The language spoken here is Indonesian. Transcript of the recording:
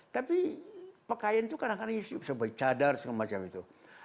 tapi pakaian itu kadang kadang bisa bercadar segala macam itu